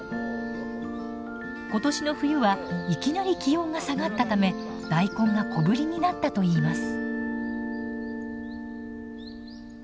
今年の冬はいきなり気温が下がったため大根が小ぶりになったといいます。